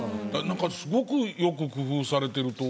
なんかすごくよく工夫されてると。